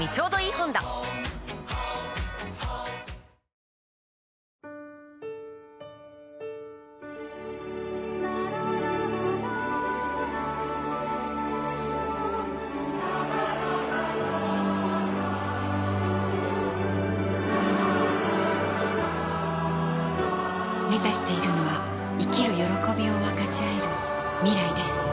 ラララめざしているのは生きる歓びを分かちあえる未来です